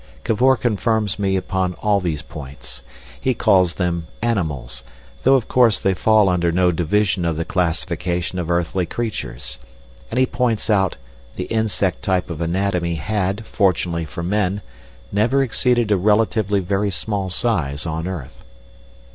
Cavor confirms me upon all these points. He calls them "animals," though of course they fall under no division of the classification of earthly creatures, and he points out "the insect type of anatomy had, fortunately for men, never exceeded a relatively very small size on earth."